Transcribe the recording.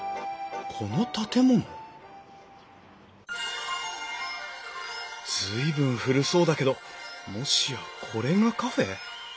この建物随分古そうだけどもしやこれがカフェ？